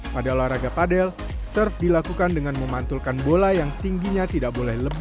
pada olahraga padel serve dilakukan dengan memantulkan bola yang tingginya tidak boleh lebih